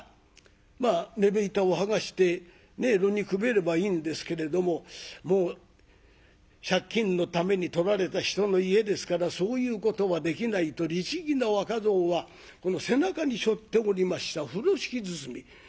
まあねぶ板を剥がして炉にくべればいいんですけれどももう借金のために取られた人の家ですからそういうことはできないと律儀な若蔵はこの背中にしょっておりました風呂敷包み。